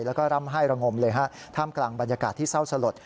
แล้วก็ร่ำไห้ระงมเลยฮะท่ามกลางบรรยากาศที่เศร้าสลด